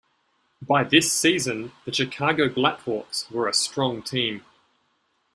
By this season, the Chicago Black Hawks were a strong team.